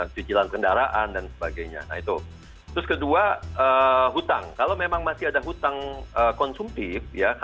cicilan kendaraan dan sebagainya nah itu terus kedua hutang kalau memang masih ada hutang konsumtif ya